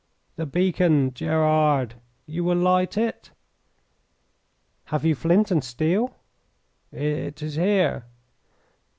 "The beacon, Gerard! You will light it?" "Have you flint and steel?" "It is here!"